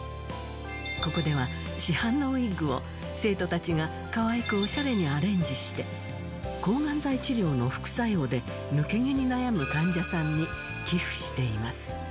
ここでは、市販のウィッグを生徒たちがかわいくおしゃれにアレンジして、抗がん剤治療の副作用で抜け毛に悩む患者さんに寄付しています。